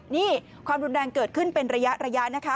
นี่ความรุนแรงเกิดขึ้นเป็นระยะนะคะ